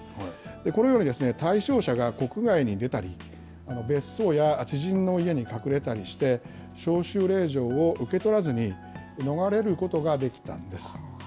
このように対象者が国外に出たり、別荘や知人の家に隠れたりして、招集令状を受け取らずに逃れることができたんです。